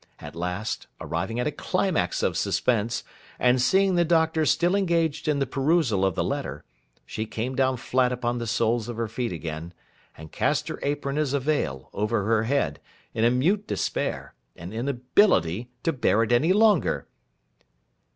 At last, arriving at a climax of suspense, and seeing the Doctor still engaged in the perusal of the letter, she came down flat upon the soles of her feet again, and cast her apron, as a veil, over her head, in a mute despair, and inability to bear it any longer.